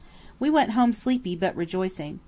We went home sleepy, but rejoicing.